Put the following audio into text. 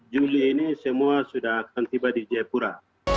juli ini semua sudah akan tiba di jayapura